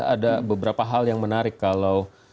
ada beberapa hal yang menarik kalau